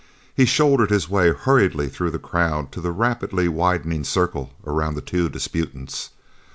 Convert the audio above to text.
He shouldered his way hurriedly through the crowd to the rapidly widening circle around the two disputants.